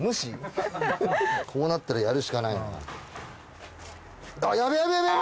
こうなったらやるしかないよな。